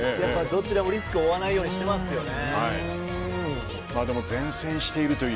どちらもリスクを負わないようにしてますよね。